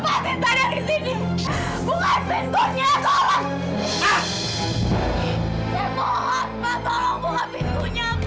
amira ibu kenapa sih bu